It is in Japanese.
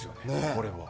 これは。